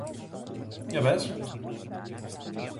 Για πες;